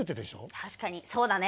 確かにそうだね。